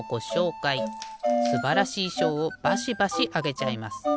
すばらしいしょうをバシバシあげちゃいます。